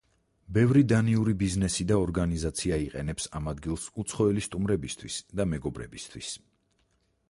ბევრი დანიური ბიზნესი და ორგანიზაცია იყენებს ამ ადგილს უცხოელი სტუმრებისთვის და მეგობრებისთვის.